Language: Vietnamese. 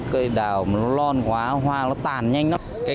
cây đào nó lon quá hoa nó tàn nhanh lắm